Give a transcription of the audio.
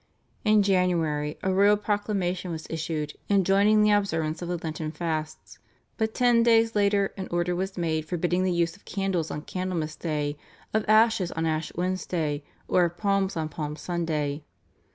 In January a royal proclamation was issued enjoining the observance of the Lenten fasts, but ten days later an order was made forbidding the use of candles on Candlemas Day, of ashes on Ash Wednesday, or of palms on Palm Sunday.